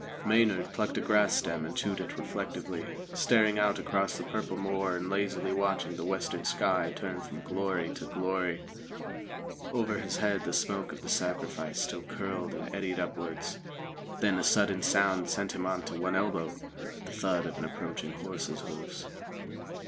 Maynard plucked a grass stem and chewed it reflectively, staring out across the purple moor and lazily watching the western sky turn from glory to glory. Over his head the smoke of the sacrifice still curled and eddied upwards. Then a sudden sound sent him on to one elbow the thud of an approaching horse's hoofs.